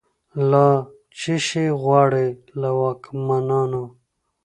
لا« څشي غواړی» له واکمنانو